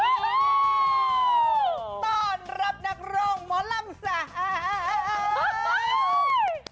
ต้อนรับนักโรงหมอล่ำสาหาร